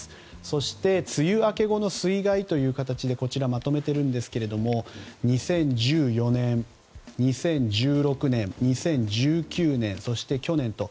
そして梅雨明け後の水害という形でまとめていますが２０１４年、２０１６年２０１９年、そして去年と。